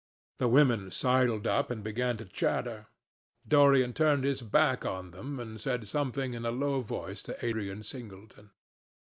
The women sidled up and began to chatter. Dorian turned his back on them and said something in a low voice to Adrian Singleton.